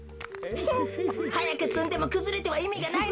フンはやくつんでもくずれてはいみがないのです。